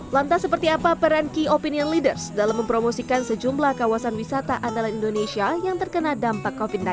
lantas seperti apa peran key opinion leaders dalam mempromosikan sejumlah kawasan wisata andalan indonesia yang terkena dampak covid sembilan belas